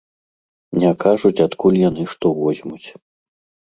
Не кажуць адкуль яны што возьмуць.